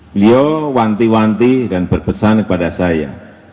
beliau wanti wanti dan berpesan kepada saya